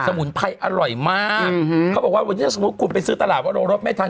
สมุนไพรอร่อยมากเขาบอกว่าถ้าสมมุติเป็นซื้อตลาดว่าโรงรถไม่ทัน